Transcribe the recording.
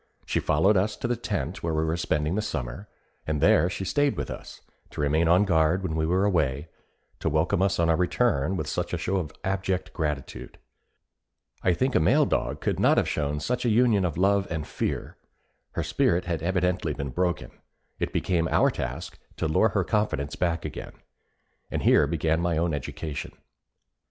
She followed us to the tent where we were spending the summer, and there she stayed with us, to remain on guard when we were away, to welcome us on our return with such a show of abject gratitude. I think a male dog could not have shown such a union of love and fear; her spirit had evidently been broken; it became our task to lure her confidence back again and here began my own education.